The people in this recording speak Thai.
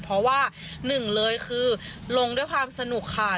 เพราะว่าหนึ่งเลยคือลงด้วยความสนุกค่ะ